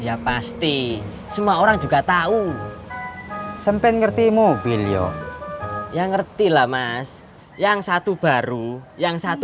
ya pasti semua orang juga tahu sempen ngerti mobil yoso what g reti lah mas yang satu baru yang satu